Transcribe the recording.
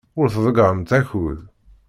Ur tḍeyyɛemt akud.